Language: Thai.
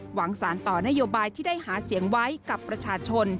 สารต่อนโยบายที่ได้หาเสียงไว้กับประชาชน